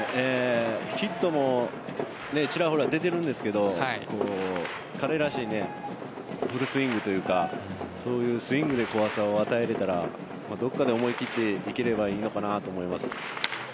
ヒットもちらほら出ているんですが彼らしいフルスイングというかそういうスイングで怖さを与えられたらどこかで思い切っていければいいのかなと思います。